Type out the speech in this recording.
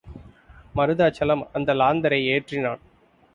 மருதாசலம் அந்த லாந்தரை ஏற்றினான்.